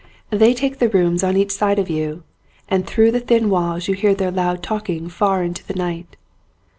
They take the rooms on each side of you and through the thin walls you hear their loud talking far into the night.